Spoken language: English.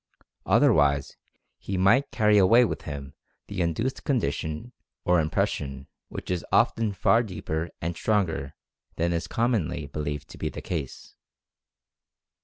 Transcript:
Otherwise he might carry away with him the induced condition, or impression, which io8 Mental Fascination is often far deeper and stronger than is commonly be lieved to be the case.